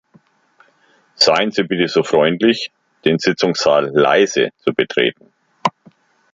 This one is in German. Seien Sie bitte so freundlich, den Sitzungssaal leise zu betreten.